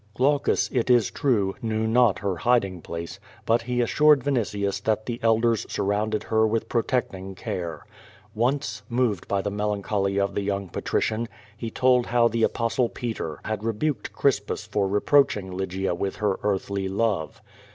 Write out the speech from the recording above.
Glaucus, it is true, knew not her hiding place, but he assured Vinitius that the elders surrounded her with protecting care. Once, moved by the melancholy of the young patrician, he told how the Apostle Paul had rebuked C'risi)us for rej)roaching Lygia with her earthly love.